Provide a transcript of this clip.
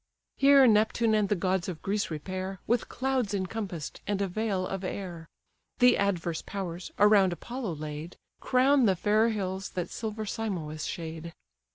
Here Neptune and the gods of Greece repair, With clouds encompass'd, and a veil of air: The adverse powers, around Apollo laid, Crown the fair hills that silver Simois shade.